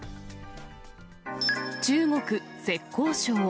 中国・浙江省。